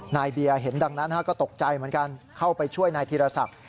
นายเบียร์เห็นดังนั้นก็ตกใจเหมือนกันเข้าไปช่วยนายธีรศักดิ์